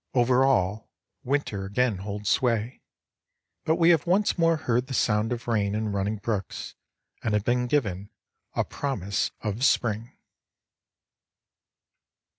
Over all winter again holds sway, but we have once more heard the sound of rain and running brooks and have been given a promise of spring.